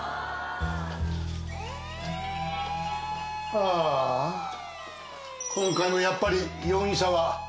ああ今回もやっぱり容疑者は。